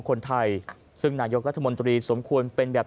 คนไทยซึ่งนายกรัฐมนตรีสมควรเป็นแบบ